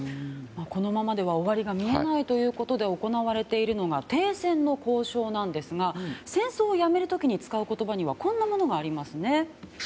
このままでは終わりが見えないということで行われているのが停戦の交渉なんですが戦争をやめる時に使う言葉にはこんなものがありますね。